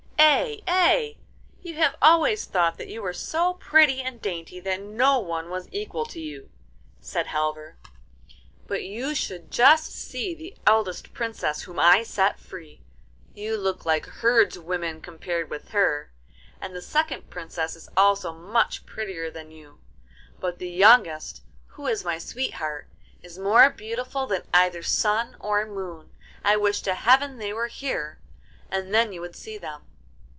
'Ay, ay! you have always thought that you were so pretty and dainty that no one was equal to you,' said Halvor, 'but you should just see the eldest Princess whom I set free. You look like herds women compared with her, and the second Princess is also much prettier than you; but the youngest, who is my sweetheart, is more beautiful than either sun or moon. I wish to Heaven they were here, and then you would see them.